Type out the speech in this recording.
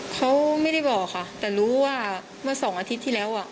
เค้าไม่ได้บอกแต่รู้ว่าเมื่อ๒อาทิตย์ที่แล้ว